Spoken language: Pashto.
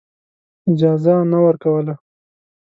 اجازه نه ورکوله.